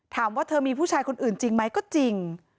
ถามว่าเธอมีผู้ชายคนอื่นจริงไหมก็จริง